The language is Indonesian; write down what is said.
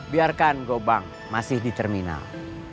biarkan gobang masih di terminal